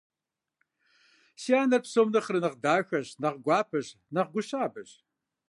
Си анэр псом нэхърэ нэхъ дахэщ, нэхъ гуапэщ, нэхъ гу щабэщ.